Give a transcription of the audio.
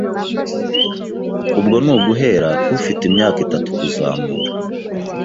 ubwo ni uguhera k’ufite imyaka itatu kuzamura.